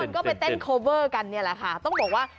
แล้วคนจะไปเต้นคอเวอร์กัน